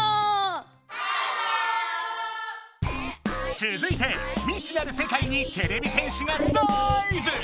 つづいて未知なる世界にてれび戦士がダイブ！